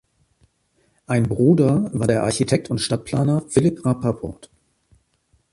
Ein Bruder war der Architekt und Stadtplaner Philipp Rappaport.